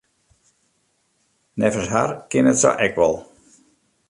Neffens har kin it sa ek wol.